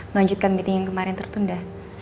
melanjutkan meeting yang kemarin tertunda